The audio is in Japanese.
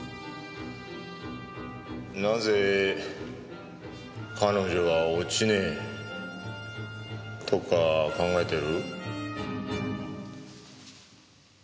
なぜ彼女は落ちねえとか考えてる？